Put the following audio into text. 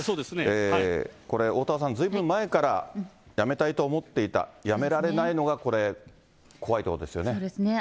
これ、おおたわさん、ずいぶん前からやめたいと思っていた、やめられないのがこれ、そうですね。